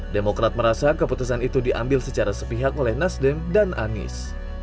demokrat merasa keputusan itu diambil secara sepihak oleh nasdem dan anies